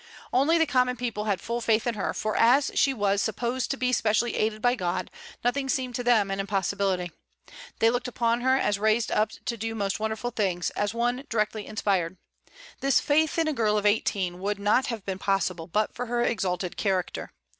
Only the common people had full faith in her, for as she was supposed to be specially aided by God, nothing seemed to them an impossibility. They looked upon her as raised up to do most wonderful things, as one directly inspired. This faith in a girl of eighteen would not have been possible but for her exalted character.